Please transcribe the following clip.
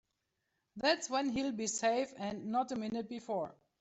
That's when he'll be safe and not a minute before.